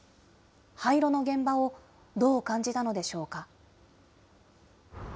廃炉の現場をどう感じたのでしょうか。